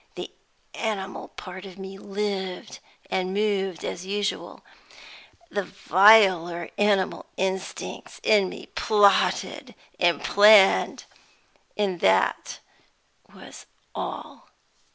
The animal part of me lived and moved as usual; the viler animal instincts in me plotted and planned, and that was all.